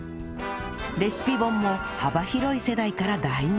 レシピ本も幅広い世代から大人気！